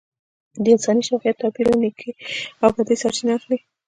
د انساني شخصیت توپیر له نیکۍ او بدۍ سرچینه اخلي